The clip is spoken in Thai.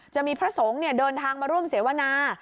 จะมีพระสงฆ์เดินทางมาร่วมเสวนา